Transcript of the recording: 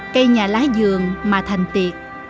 cây nhà lá dường mà thành tiệc